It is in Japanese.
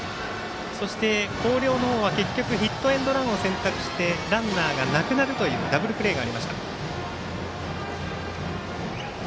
そして、広陵のほうは結局ヒットエンドランを選択してランナーがなくなるというダブルプレーがありました。